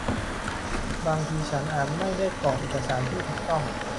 บางทีฉันอาจไม่ได้กรอกเอกสารที่ถูกต้อง